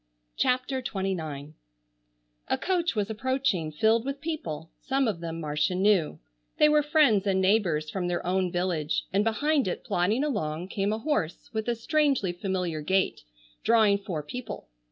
CHAPTER XXIX A coach was approaching filled with people, some of them Marcia knew; they were friends and neighbors from their own village, and behind it plodding along came a horse with a strangely familiar gait drawing four people.